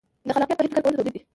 د خلاقیت بهیر فکر کول او تولید دي.